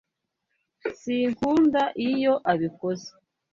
Sinkunda iyo abikoze.